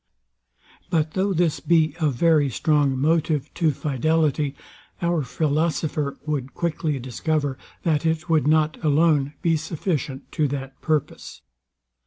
But though this be a very strong motive to fidelity, our philosopher would quickly discover, that it would not alone be sufficient to that purpose.